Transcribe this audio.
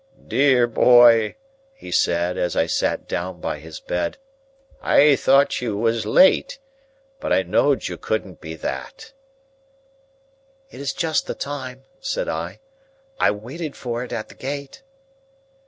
"Dear boy," he said, as I sat down by his bed: "I thought you was late. But I knowed you couldn't be that." "It is just the time," said I. "I waited for it at the gate."